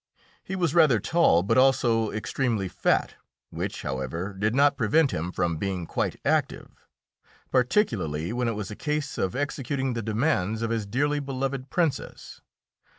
He was rather tall, but also extremely fat, which, however, did not prevent him from being quite active, particularly when it was a case of executing the demands of his dearly beloved Princess.